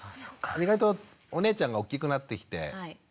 意外とお姉ちゃんが大きくなってきて。